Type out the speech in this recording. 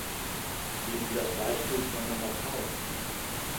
Nehmen Sie das Beispiel schwangerer Frauen.